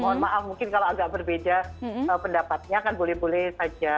mohon maaf mungkin kalau agak berbeda pendapatnya kan boleh boleh saja